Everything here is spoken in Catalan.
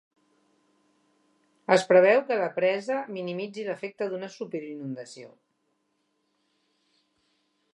Es preveu que la presa minimitzi l'efecte d'una superinundació.